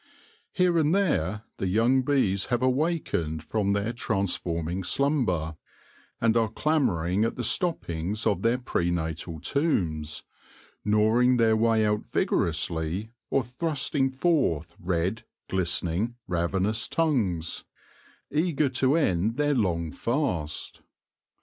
Here and there the young bees have awakened from their transforming slumber, and are clamouring at the stoppings of their prenatal SO THE LORE OF THE HONEY BEE tombs, gnawing their way out vigorously, or thrusting forth red, glistening, ravenous tongues, eager to end their long fast.